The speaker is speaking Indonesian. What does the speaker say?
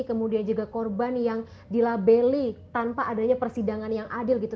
kemudian juga korban yang dilabeli tanpa adanya persidangan yang adil gitu